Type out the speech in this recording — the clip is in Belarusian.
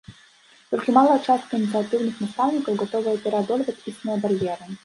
Толькі малая частка ініцыятыўных настаўнікаў гатовая пераадольваць існыя бар'еры.